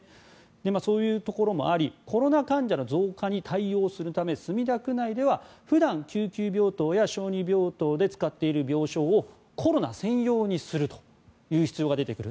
そういうところもありコロナ患者の増加に対応するため墨田区内では普段、救急病棟や小児病棟で使っている病床をコロナ専用にするという必要が出てくると。